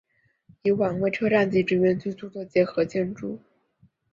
以往为车站及职员居所的结合建筑。